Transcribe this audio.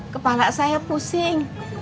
kepala saya pusing